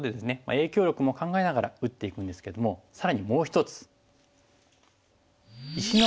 影響力も考えながら打っていくんですけども更にもう１つ。